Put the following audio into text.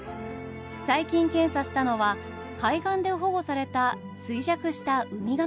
最近検査したのは海岸で保護された衰弱したウミガメだそうです。